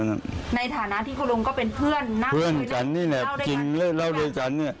ในฐานะที่คุณลุงก็เป็นเพื่อนนั่งแบบนั้นเล่าด้วยกัน